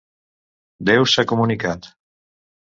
Déu s'ha comunicat.